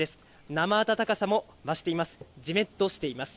生あたたかさも増しています。